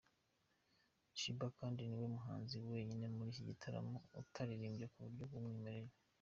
Sheebah kandi ni we muhanzi wenyine muri iki gitaramo utaririmbye mu buryo bw’umwimerere.